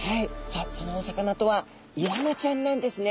さあそのお魚とはイワナちゃんなんですね。